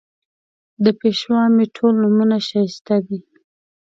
د پېشوا مې ټول نومونه ښایسته دي